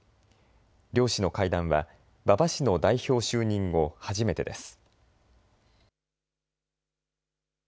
両氏の会談は馬場氏の代表就任後、初めてです。